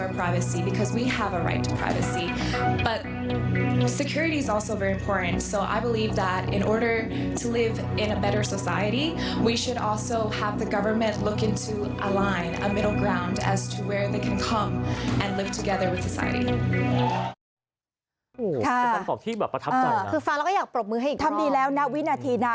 พาคุณผู้ชมย้อนกลับไปดูณวินาทีตอนนั้นหน่อยค่ะ